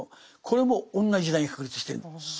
これも同じ時代に確立してるんです。